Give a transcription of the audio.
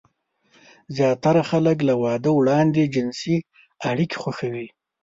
زياتره خلک له واده وړاندې جنسي اړيکې خوښوي.